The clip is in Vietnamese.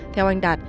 theo anh đạt